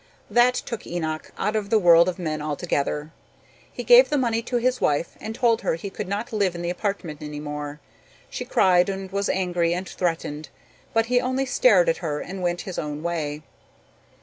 That took Enoch out of the world of men altogether. He gave the money to his wife and told her he could not live in the apartment any more. She cried and was angry and threatened, but he only stared at her and went his own way.